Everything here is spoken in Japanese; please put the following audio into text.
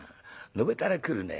のべたら来るね。